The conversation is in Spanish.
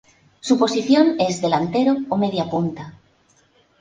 Su posición es delantero o mediapunta.